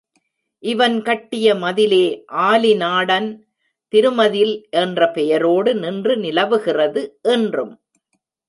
இவன் கட்டிய மதிலே ஆலிநாடன் திருமதில் என்ற பெயரோடு நின்று நிலவுகிறது இன்றும்.